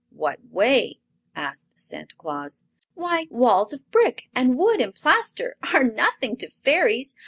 "What way?" asked Santa Claus. "Why, walls of brick and wood and plaster are nothing to Fairies.